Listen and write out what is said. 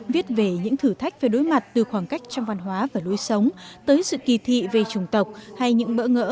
viết về những thử thách về đối mặt từ khoảng cách trong văn hóa và đối sống tới sự kỳ thị về chủng tộc hay những bỡ ngỡ